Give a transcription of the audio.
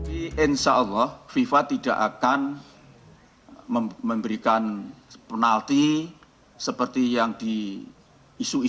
insya allah fifa tidak akan memberikan penalti seperti yang diisukan itu